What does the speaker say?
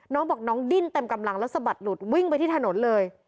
น้องบอกน้องดิ้นเต็มกำลังแล้วสะบัดหลุดวิ่งไปที่ถนนเลย